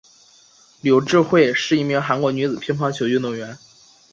柳智惠是一名韩国女子乒乓球运动员。